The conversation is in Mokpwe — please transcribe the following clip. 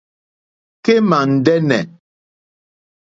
Kémà ndɛ́nɛ̀.